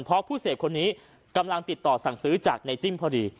เพราะผู้เสพคนนี้กำลังติดต่อสั่งซื้อจากในจิ้มพอดี